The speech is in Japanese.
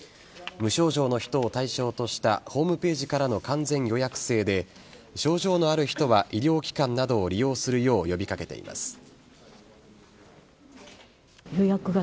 無症状の人を対象としたホームページからの完全予約制で症状のある人は医療機関などを利用するよう呼び掛けています。